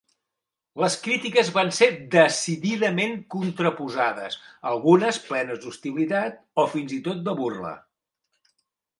Les crítiques van ser decididament contraposades, algunes plenes d'hostilitat o fins i tot de burla.